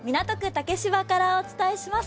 竹芝からお伝えします。